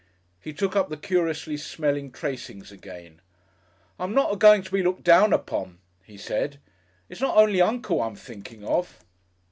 He took up the curiously smelling tracings again. "I'm not a going to be looked down upon," he said. "It's not only Uncle I'm thinking of!"